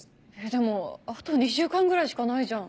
でもあと２週間ぐらいしかないじゃん。